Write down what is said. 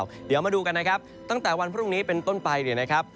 เดี๋ยวมาดูกันนะครับตั้งแต่วันพรุ่งนี้เป็นต้นไปเนี่ยนะครับ